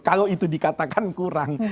kalau itu dikatakan kurang